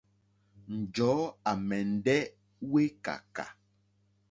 Njɔ̀ɔ́ à mɛ̀ndɛ́ wékàkà.